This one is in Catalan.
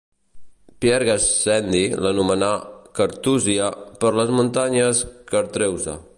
Pierre Gassendi l'anomenà Carthusia, per les muntanyes Chartreuse.